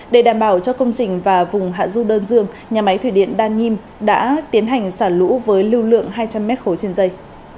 để đảm bảo cho công trình và vùng hạ du đơn dương nhà máy thủy điện đan nhiêm đã tiến hành xả lũ với lưu lượng hai trăm linh m ba trên dây